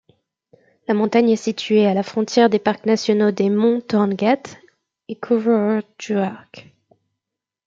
La montagne est située à la frontière des parcs nationaux des Monts-Torngat et Kuururjuaq.